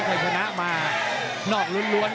เขาขนาดมานอกลุ้นรวล